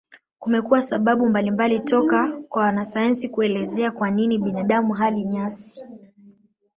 Kumekuwa sababu mbalimbali toka kwa wanasayansi kuelezea kwa nini binadamu hali nyasi.